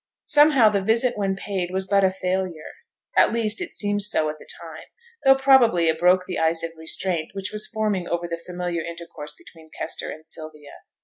Somehow, the visit when paid was but a failure; at least, it seemed so at the time, though probably it broke the ice of restraint which was forming over the familiar intercourse between Kester and Sylvia.